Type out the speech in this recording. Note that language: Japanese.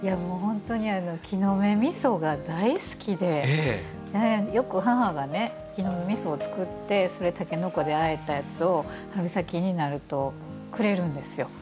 「木の芽みそ」が大好きでよく母が「木の芽みそ」を作ってたけのこであえたやつを春先になるとくれるんですよ。